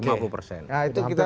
nah itu kita